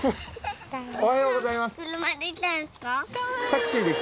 おはようございます。